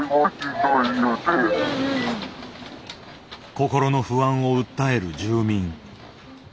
心の不安を訴える住民。